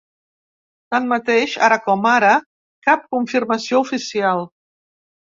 Tanmateix, ara com ara, cap confirmació oficial.